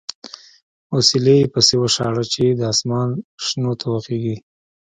اوسیلی یې پسې وشاړه چې د اسمان شنو ته وخېژي.